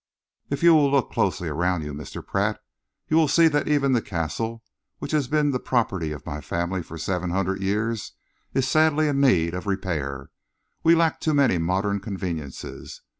If you will look closely around you, Mr. Pratt, you will see that even the Castle, which has been the property of my family for seven hundred years, is sadly in need of repair. We lack too many modern conveniences.